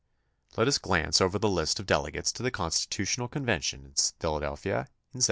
Let us glance over the list of delegates to the Constitutional Convention in Philadelphia in 1787.